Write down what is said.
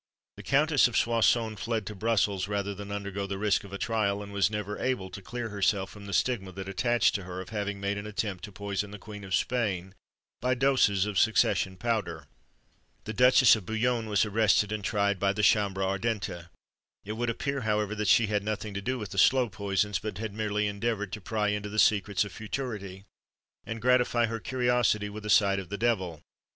The Countess of Soissons fled to Brussels, rather than undergo the risk of a trial; and was never able to clear herself from the stigma that attached to her, of having made an attempt to poison the Queen of Spain by doses of succession powder. The Duchess of Bouillon was arrested, and tried by the Chambre Ardente. It would appear, however, that she had nothing to do with the slow poisons, but had merely endeavoured to pry into the secrets of futurity, and gratify her curiosity with a sight of the devil.